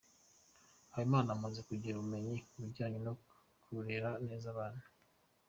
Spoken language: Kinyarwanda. Habimana amaze kugira ubumenyi mu bijyanye no kurera neza abana.